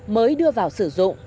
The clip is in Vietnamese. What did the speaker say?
mới đưa vào sử dụng